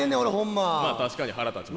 まあ確かに腹立ちますね。